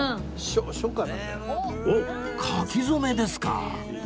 おっ書き初めですか！